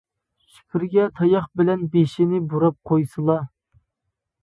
سۈپۈرگە تاياق بىلەن بېشىنى بۇراپ قويسىلا.